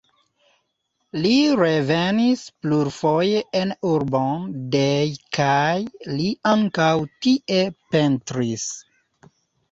Li revenis plurfoje en urbon Dej kaj li ankaŭ tie pentris.